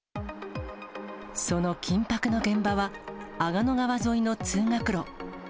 その緊迫の現場は、阿賀野川沿いの通学路。